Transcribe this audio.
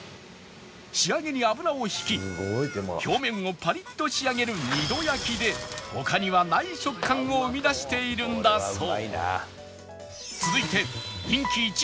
仕上げに油を引き表面をパリッと仕上げる２度焼きで他にはない食感を生み出しているんだそう